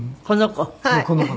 この子？